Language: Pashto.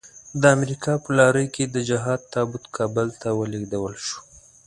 د امريکا په لارۍ کې د جهاد تابوت کابل ته ولېږدول شو.